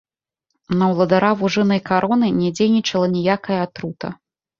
На ўладара вужынай кароны не дзейнічала ніякай атрута.